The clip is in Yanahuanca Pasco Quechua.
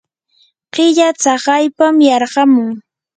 killa tsakaypam yarqamun.